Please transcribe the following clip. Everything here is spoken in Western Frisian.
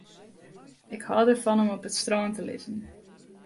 Ik hâld derfan om op it strân te lizzen.